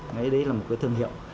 ngay đấy là một cái thương hiệu